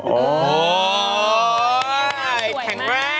โอ้โห